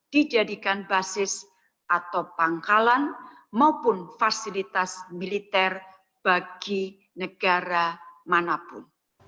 dijadikan basis atau pangkalan maupun fasilitas militer bagi negara manapun